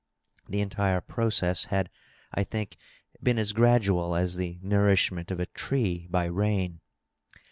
The entire process had, I think, been as gradual as the nour ishment of a tree by rain.